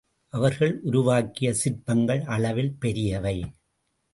அவர்கள் உருவாக்கிய சிற்பங்கள் அளவில் பெரியவை.